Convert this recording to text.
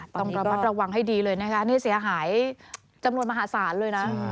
ต้องระมัดระวังให้ดีเลยนะคะนี่เสียหายจำนวนมหาศาลเลยนะ